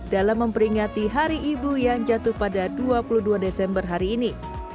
dalam memperingati hari ibu yang jatuh pada dua puluh dua desember hari ini